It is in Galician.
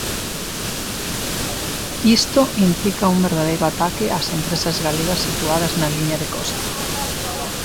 Isto implica un verdadeiro ataque ás empresas galegas situadas na liña de costa.